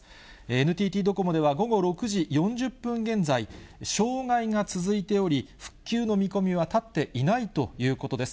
ＮＴＴドコモでは、午後６時４０分現在、障害が続いており、復旧の見込みは立っていないということです。